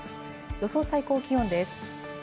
予想最高気温です。